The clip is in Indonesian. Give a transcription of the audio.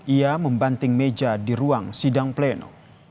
ia membanting meja di ruang sidang pleno